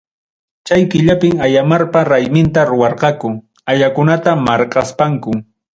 Chay killapim Ayamarpa rayminta ruwarqaku, ayakunata marqaspanku.